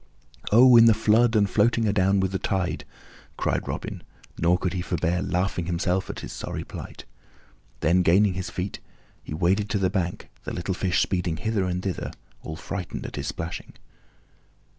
"Oh, in the flood and floating adown with the tide," cried Robin, nor could he forbear laughing himself at his sorry plight. Then, gaining his feet, he waded to the bank, the little fish speeding hither and thither, all frightened at his splashing.